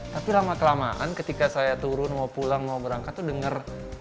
tapi lama kelamaan ketika saya turun mau pulang mau berangkat tuh denger